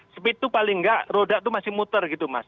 speed itu paling nggak roda itu masih muter gitu mas